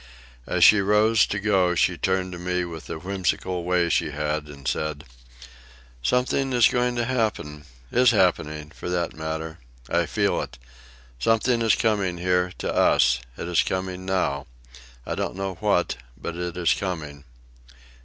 As she rose to go she turned to me with the whimsical way she had, and said: "Something is going to happen—is happening, for that matter. I feel it. Something is coming here, to us. It is coming now. I don't know what, but it is coming."